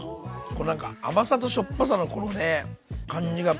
こうなんか甘さとしょっぱさのこのね感じが。